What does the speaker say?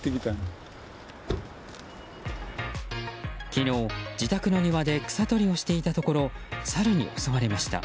昨日、自宅の庭で草取りをしていたところサルに襲われました。